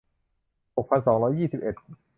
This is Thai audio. หกพันสองร้อยยี่สิบเจ็ด